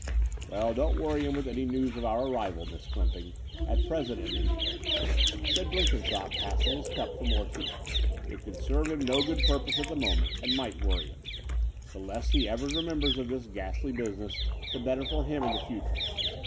"Well, don't worry him with any news of our arrival, Miss Clymping, at present at any rate," said Blenkinsopp, passing his cup for more tea. "It can serve no good ptupose at the moment, and might worry him. The less he ever remem bers of this ghastly business, the better for him in the future.